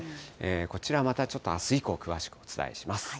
こちらまた、ちょっとあす以降、詳しくお伝えします。